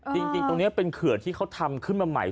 จริงตรงนี้เป็นเขื่อนที่เขาทำขึ้นมาใหม่